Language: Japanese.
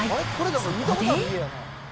そこで。